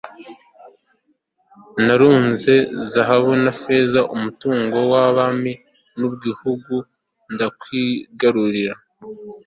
narunze zahabu na feza, umutungo w'abami n'uw'ibihugu ndawigarurira